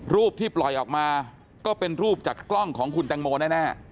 รูปที่ปล่อยออกมาก็เป็นรูปจากกล้องของคุณแตงโมแน่